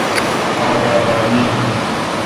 آبادانید